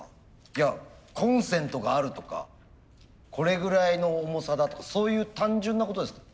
いやコンセントがあるとかこれぐらいの重さだとかそういう単純なことですか？